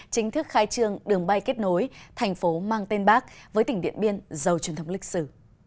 chính thức khai trương đường bay kết nối tp mang tên bắc với tỉnh điện biên dầu truyền thống lịch sử